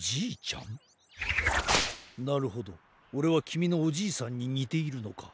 なるほどオレはきみのおじいさんににているのか。